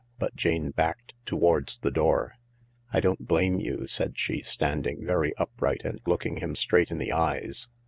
But Jane backed towards the door. " I don't blame you," said she, standing very upright and looking him straight in the eyes.